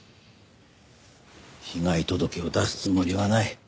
被害届を出すつもりはない。